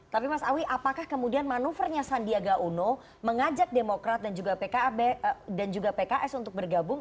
tapi mas awi apakah kemudian manuvernya sandiaga uno mengajak demokrat dan juga pks untuk bergabung